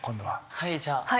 はい。